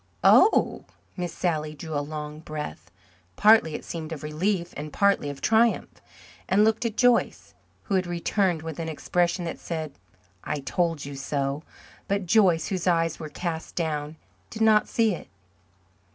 "Oh!" Miss Sally drew a long breath, partly it seemed of relief and partly of triumph, and looked at Joyce, who had returned, with an expression that said, "I told you so"; but Joyce, whose eyes were cast down, did not see it.